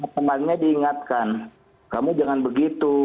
kemarinnya diingatkan kamu jangan begitu